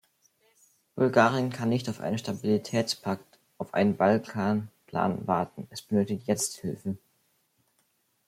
Bulgarien kann nicht auf einen Stabilitätspakt, auf einen Balkan-Plan warten, es benötigt jetzt Hilfe.